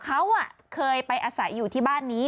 เขาเคยไปอาศัยอยู่ที่บ้านนี้